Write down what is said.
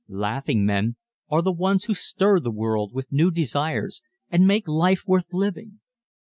Laughing men are the ones who stir the world with new desires and make life worth living.